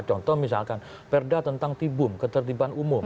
contoh misalkan perda tentang tibum ketertiban umum